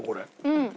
うん。